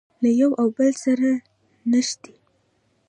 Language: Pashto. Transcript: له یوه او بل سره نښتي.